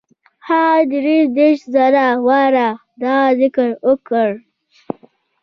هغه دري دېرش زره واره دغه ذکر وکړ.